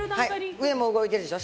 上も動いてるでしょ？